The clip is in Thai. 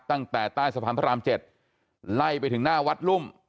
ตั้งแต่ใต้สะพานพระราม๗ไล่ไปถึงหน้าวัดรุ่ม